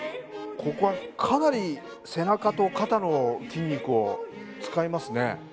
ここはかなり背中と肩の筋肉を使いますね。